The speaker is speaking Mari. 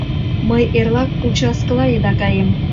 — Мый эрлак участкыла еда каем.